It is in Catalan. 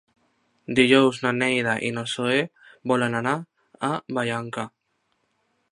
Dijous na Neida i na Zoè volen anar a Vallanca.